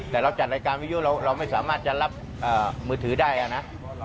แต่เราจัดรายการวิยุเราไม่สามารถจะรับมือถือได้นะ